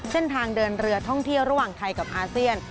เส้นทางเดินเรือท่องเที่ยวระหว่างไทยกับอาเซียน